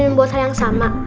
berbuat hal yang sama